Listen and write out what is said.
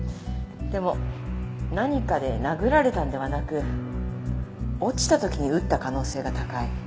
でも何かで殴られたんではなく落ちた時に打った可能性が高い。